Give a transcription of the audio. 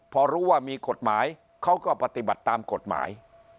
พอรู้ว่ามีกฎหมายเขาก็ปฏิบัติตามกฎหมาย